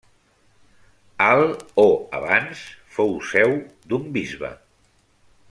Al o abans, fou seu d'un bisbe.